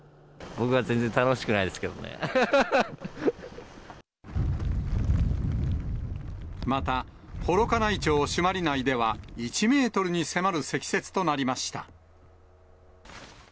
僕は全然楽しくないですけどまた、幌加内町朱鞠内では、１メートルに迫る積雪となりました。